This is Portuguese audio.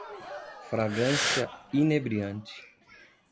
Fragrância inebriante